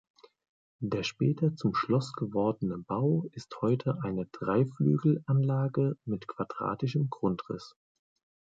Der später zum Schloss gewordene Bau ist heute eine Dreiflügelanlage mit quadratischem Grundriss.